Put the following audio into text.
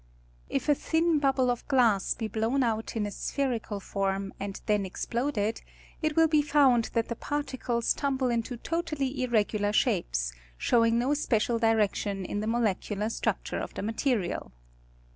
If a thin bubble of glass be blown out in a spherical form, and then explo<led, it will be found that the particles tumble into totally irregular shapes, showing no special direction in the molecular struc ture of the material.